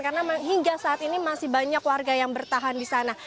karena hingga saat ini masih banyak warga yang bertahan di sana